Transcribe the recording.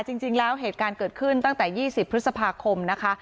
จริงแล้วเหตุการณ์เกิดขึ้นตั้งแต่๒๐พฤษภาคมนะคะ